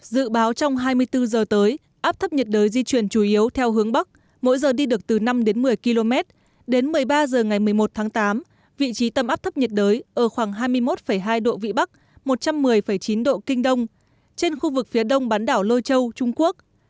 dự báo trong hai mươi bốn giờ tới áp thấp nhiệt đới di chuyển chủ yếu theo hướng bắc mỗi giờ đi được từ năm đến một mươi km đến một mươi ba h ngày một mươi một tháng tám vị trí tâm áp thấp nhiệt đới ở khoảng hai mươi một hai độ vĩ bắc một trăm một mươi chín độ kinh đông trên khu vực phía đông bán đảo lôi châu trung quốc